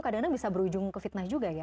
kadang kadang bisa berujung ke fitnah juga ya